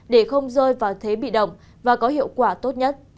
để không rơi vào thế bị động và có hiệu quả tốt nhất